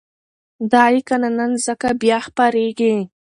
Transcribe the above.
دا لیکنه نن ځکه بیا خپرېږي،